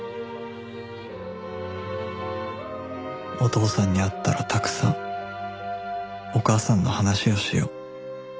お父さんに会ったらたくさんお母さんの話をしよう